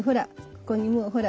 ここにもうほら。